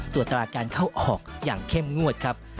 ตรวจตราการเข้าออกอย่างเข้มงวดครับ